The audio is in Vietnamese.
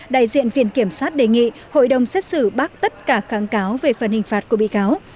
đại diện viện kiểm sát đề nghị hội đồng xét xử bác tất cả kháng cáo về phần hình phạt của bị cáo